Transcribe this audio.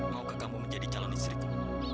maukah kamu menjadi calon istriku